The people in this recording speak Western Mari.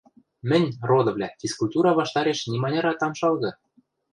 Мӹнь, родывлӓ, физкультура ваштареш ниманярат ам шалгы.